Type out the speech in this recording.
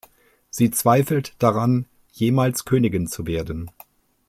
Sie zweifelt daran, jemals Königin zu werden.